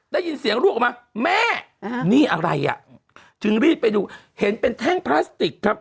ได้ยินเสียงลูกออกมาแม่นี่อะไรอ่ะจึงรีบไปดูเห็นเป็นแท่งพลาสติกครับ